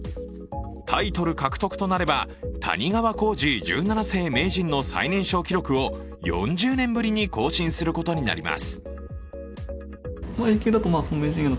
タイトル獲得となれば、谷川浩司十七世名人の最年少記録を４０年ぶりに更新することになります。